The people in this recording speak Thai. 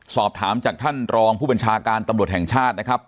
สอบถามจากท่านรองผู้บัญชาการตำรวจแห่งชาตินะครับ